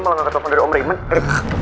malah angkat telepon dari om raymond